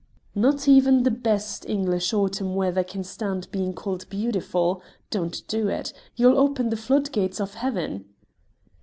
"Not even the best English autumn weather can stand being called 'bee utiful.' Don't do it. You will open the flood gates of Heaven."